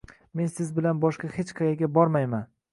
“Men siz bilan boshqa hech qayerga bormayman...”